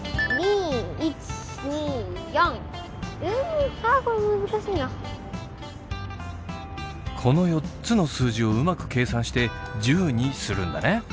うんこの４つの数字をうまく計算して１０にするんだね。